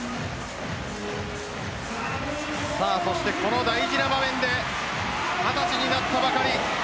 この大事な場面で二十歳になったばかり。